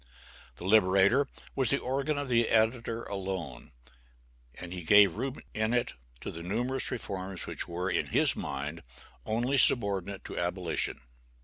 The "Liberator" was the organ of the editor alone, and he gave room in it to the numerous reforms which were, in his mind, only subordinate to abolition.